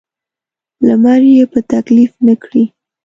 لمر یې په تکلیف نه کړي.